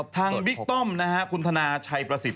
ทางวิกต้มนะฮะคุณธนาชัยประสิทธิ์